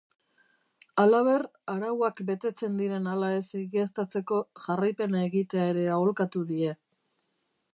Halaber, arauak betetzen diren ala ez egiaztatzeko jarraipena egitea ere aholkatu die.